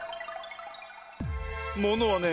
ものはね